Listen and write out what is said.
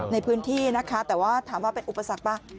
ในพื้นที่นะคะแต่ว่าถามว่าเป็นอุปสรรคป่ะ